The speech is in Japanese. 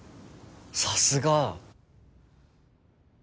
さすが。